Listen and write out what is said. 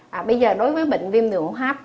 bây giờ đối với bệnh viêm nụ hấp